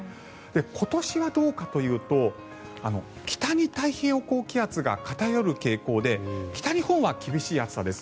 今年はどうかというと北に太平洋高気圧が偏る傾向で北日本は厳しい暑さです。